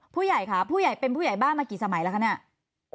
ผู้ใหญ่ค่ะผู้ใหญ่เป็นผู้ใหญ่บ้านมากี่สมัยแล้วคะเนี่ย